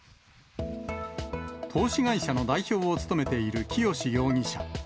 投資会社の代表を務めている清志容疑者。